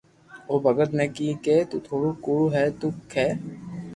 او ڀگت ني ڪي ڪي تو ڪوڙو ھي تو ڪي